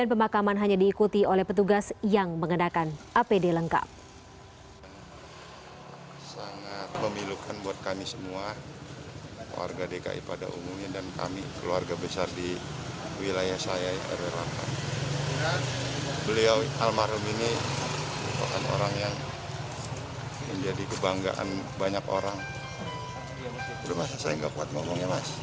sebelumnya ia menjabat sebagai sekretaris daerah atau sekda provinsi dki jakarta lainnya juga positif terinfeksi covid sembilan belas